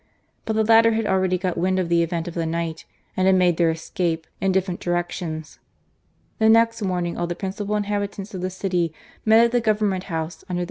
But the latter had already got wind of the event of the night, and had made their escape in different directions. The next morning all the principal inhabitants of the city met at the Government House, under the FALL OF PRESIDENT E SPINOZA.